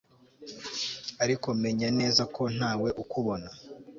ariko menya neza ko ntawe ukubona